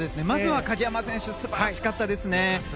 まずは鍵山選手素晴らしかったですね。